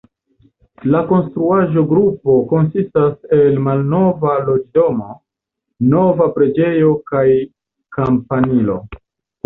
La konstruaĵo-grupo konsistas el malnova loĝdomo, nova preĝejo kaj kampanilo.